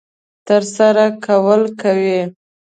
ترسره کول کوي.